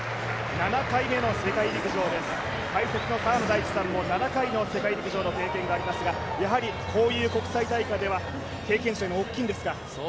７回目の世界陸上です、解説の澤野大地さんも７回の世界陸上の経験がありますがやはりこういう国際大会では経験値が大きいんですか？